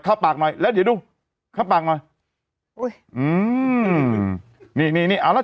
เข้าปากหน่อยแล้วเดี๋ยวดูเข้าปากหน่อยอุ้ยอืมนี่นี่เอาแล้ว